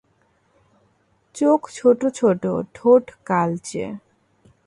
চোখ ছোট-ছোট, ঠোঁট কালচে।